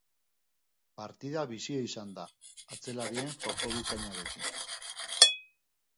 Partida bizia izan da, atzelarien jokobikainarekin.